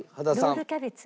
ロールキャベツ。